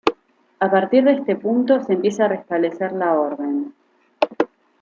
A partir de este punto, se empieza a restablecer la orden.